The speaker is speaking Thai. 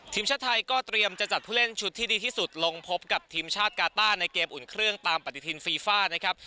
ทีมชาติไทยก็เตรียมจะจัดผู้เล่นชุดที่ดีที่สุดลงพบกับทีมชาติกาต้าในเกมอุ่นเครื่องตามปฏิทินฟีฟ่านะครับ